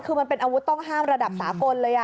คือมันเป็นอาวุธต้องห้ามระดับสากลเลย